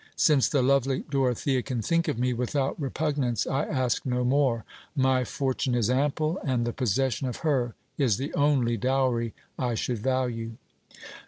Since the lovely Dorothea can think of me without repug nance, I ask no more : my fortune is ample, and the possession of her is the only dowry I should value.